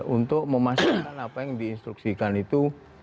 untuk memastikan apa yang diinstruksikan itu